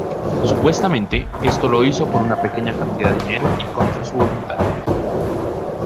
Supuestamente, esto lo hizo por una pequeña cantidad de dinero y contra su voluntad.